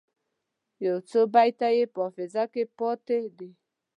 یو څو بیته یې په حافظه کې پاته دي.